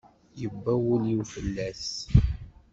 Yewwa wul-iw fell-as.